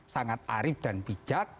sangat arif dan bijak